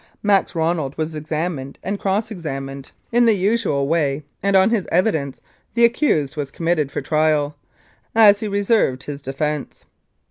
Max Ronald was examined and cross examined in the usual 271 Mounted Police Life in Canada way, and on his evidence the accused was committed for trial, as he reserved his defence.